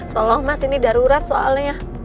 tolong mas ini darurat soalnya